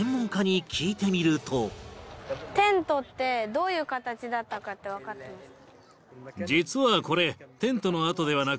テントってどういう形だったかってわかってますか？